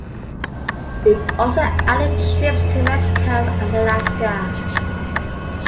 It also added trips to Mexico and Alaska.